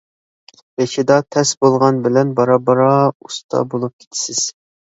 بېشىدا تەس بولغان بىلەن بارا بارا ئۇستا بولۇپ كېتىسىز.